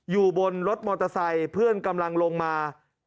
อยู่บนรถมอเตอร์ไซค์เพื่อนกำลังลงมา